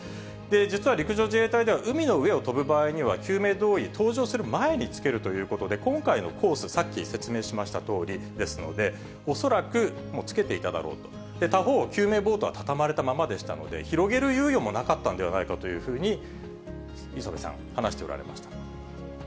実は陸上自衛隊では、海の上を飛ぶ場合には救命胴衣、搭乗する前に着けるということで、今回のコース、さっき説明しましたとおりですので、恐らくもう着けていただろうと、他方、救命ボートは畳まれたままでしたので、広げる猶予もなかったんではないかというふうに磯部さん、話しておられました。